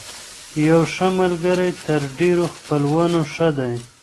يو ښه ملګری تر ډېرو خپلوانو ښه دی.